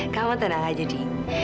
kamu tenang aja di